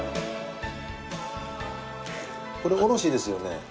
これおろしですよね？